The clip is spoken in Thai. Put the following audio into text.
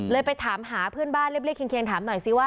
ไปถามหาเพื่อนบ้านเรียบเคียงถามหน่อยซิว่า